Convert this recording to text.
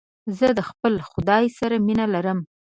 زه د خپل خداى سره مينه لرم.